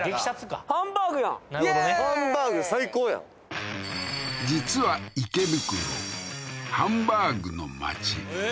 ハンバーグ最高やん実は池袋ハンバーグの街え